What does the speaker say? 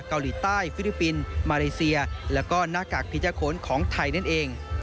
เกาหลีใต้ฟิลิปปินส์มาเลเซียแล้วก็หน้ากากพิจาโคนของไทยนั่นเอง